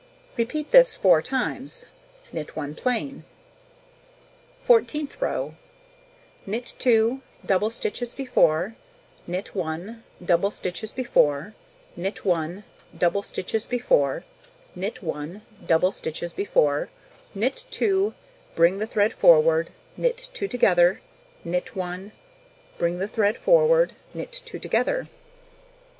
Repeat this 4 times. Knit 1 plain. Fourteenth row: Knit 2, double stitch as before, knit 1, double stitch as before, knit 1, double stitch as before, knit 1, double stitch as before, knit 2, bring the thread forward, knit 2 together, knit 1, bring the thread forward, knit 2 together.